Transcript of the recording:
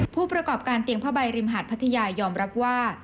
ผู้ประกอบการเตียงผ้าใบริมหาดพัทยายอมรับว่า